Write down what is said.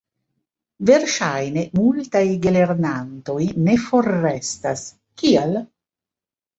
Verŝajne multaj gelernantoj ne forrestas. Kial?